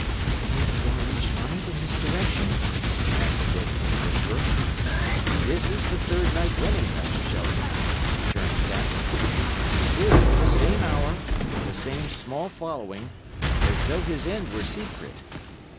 "He hath gone each night in this direction?" asked Dick, in a whisper. "This is the third night running, Master Shelton," returned Capper, "and still at the same hour and with the same small following, as though his end were secret."